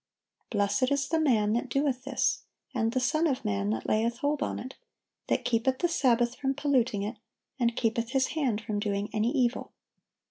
Blessed is the man that doeth this, and the son of man that layeth hold on it; that keepeth the Sabbath from polluting it, and keepeth his hand from doing any evil."